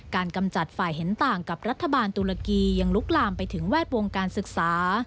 กำจัดฝ่ายเห็นต่างกับรัฐบาลตุรกียังลุกลามไปถึงแวดวงการศึกษา